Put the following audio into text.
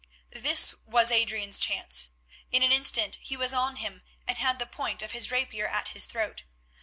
This was Adrian's chance. In an instant he was on him and had the point of his rapier at his throat.